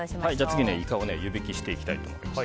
次、イカを湯引きしていきたいと思います。